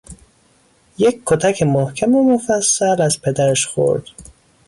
یک کتک محکم و مفصل از پدرش خورد